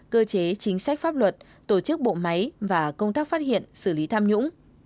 cơ chế chính sách pháp luật tổ chức bộ máy và công tác phát hiện xử lý tham nhũng